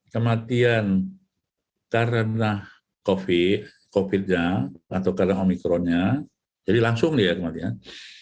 kematian karena covid covid nya atau karena omikronnya jadi langsung lihat kematian